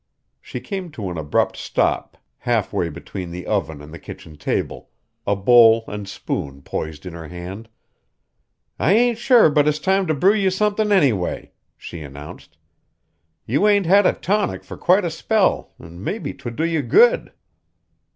She came to an abrupt stop half way between the oven and the kitchen table, a bowl and spoon poised in her hand. "I ain't sure but it's time to brew you somethin' anyway," she announced. "You ain't had a tonic fur quite a spell an' mebbe 'twould do you good."